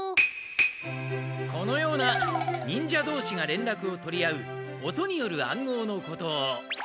このような忍者どうしが連絡を取り合う音による暗号のことを。